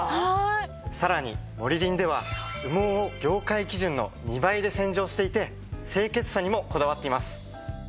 さらにモリリンでは羽毛を業界基準の２倍で洗浄していて清潔さにもこだわっています。